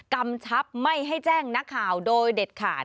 กำชับไม่ให้แจ้งนักข่าวโดยเด็ดขาด